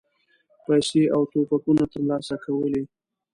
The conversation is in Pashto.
پیسې او توپکونه ترلاسه کولې.